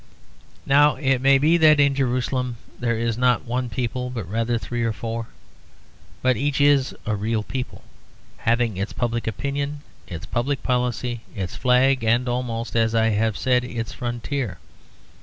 Now it may be that in Jerusalem there is not one people but rather three or four; but each is a real people, having its public opinion, its public policy, its flag and almost, as I have said, its frontier.